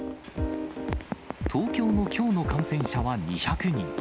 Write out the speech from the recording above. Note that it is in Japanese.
東京のきょうの感染者は２００人。